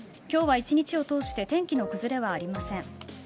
今日は一日を通して天気の崩れはありません。